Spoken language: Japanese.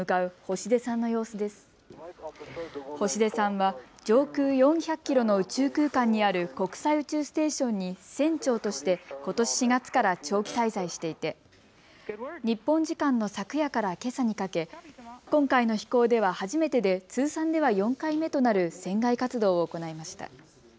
星出さんは上空４００キロの宇宙空間にある国際宇宙ステーションに船長として、ことし４月から長期滞在していて日本時間の昨夜からけさにかけ、今回の飛行では初めてで通算では４回目となる船外活動を行いました。